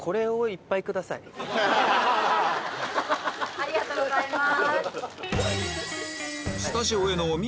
ありがとうございます！